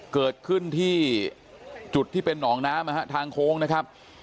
เกิดขึ้นที่จุดที่เป็นหนองน้ำนะฮะทางโค้งนะครับ